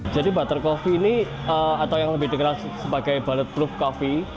jadi butter kopi ini atau yang lebih dikenal sebagai bulletproof kopi